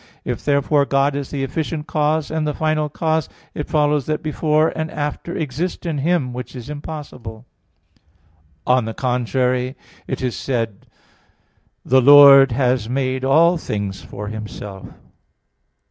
If, therefore, God is the efficient cause and the final cause, it follows that before and after exist in Him; which is impossible. On the contrary, It is said (Prov. 16:4): "The Lord has made all things for Himself."